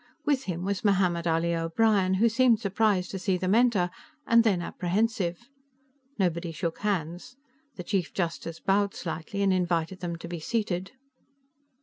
With him was Mohammed Ali O'Brien, who seemed surprised to see them enter, and then apprehensive. Nobody shook hands; the Chief Justice bowed slightly and invited them to be seated.